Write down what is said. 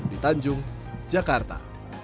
di tanjung jakarta